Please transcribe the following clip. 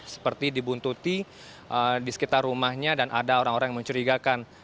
seperti dibuntuti di sekitar rumahnya dan ada orang orang yang mencurigakan